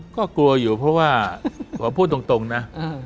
ก็กลัวอยู่เพราะว่าขอพูดตรงนะ